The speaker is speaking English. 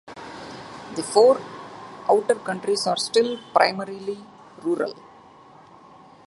The four outer counties are still primarily rural.